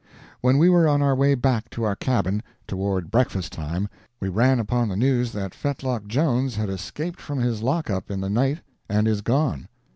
When we were on our way back to our cabin, toward breakfast time, we ran upon the news that Fetlock Jones had escaped from his lock up in the night and is gone!